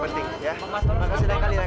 makasih ya semuanya mas